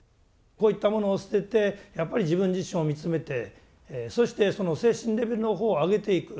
こういったものを捨ててやっぱり自分自身を見つめてそしてその精神レベルのほうを上げていく。